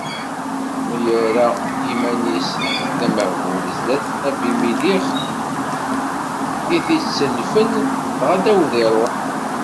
Mi yerra iman-is d amehbul sdat Abimilix i t-ittelfen, dɣa Dawed iruḥ.